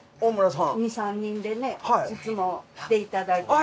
２３人でねいつも来ていただいて。